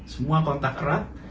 semua kontak erat